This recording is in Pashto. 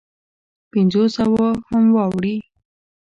پنځو سوو هم واوړي.